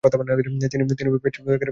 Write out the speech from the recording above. তিনি বেশ বর্ণবৈষম্যের শিকার হন।